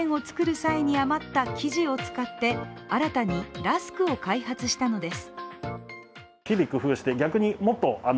際に余った生地を使って新たにラスクを開発したのです。